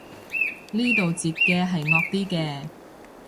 呢度截嘅係惡啲嘅